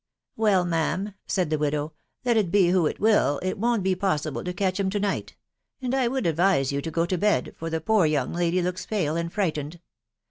" Well, ma am/' said the widow, « let it be who it will, it wo'n'.t be possible to catch 'em to night ; and I would advise you to go to bed, for the poor young lady looks pale and frightened